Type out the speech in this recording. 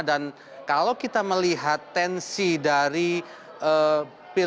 dan kalau kita melihat tensi dari petani yang berada di jawa tengah ini